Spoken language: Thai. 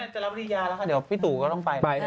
จะรับวิทยาแล้วค่ะเดี๋ยวพี่ตู่ก็ต้องไป